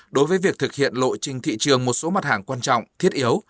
đối với việc thực hiện lộ trình thị trường một số mặt hàng quan trọng thiết yếu